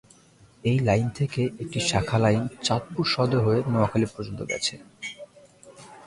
এই লাইন থেকে একটি শাখা লাইন চাঁদপুর সদর হয়ে নোয়াখালী পর্যন্ত গেছে।